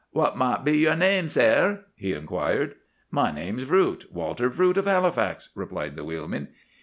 "'What might be your name, sare?' he inquired. "'My name's Vroot—Walter Vroot of Halifax,' replied the wheelman.